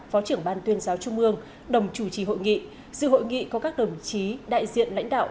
phó trưởng ban tuyên giáo trung ương đồng chủ trì hội nghị dự hội nghị có các đồng chí đại diện lãnh đạo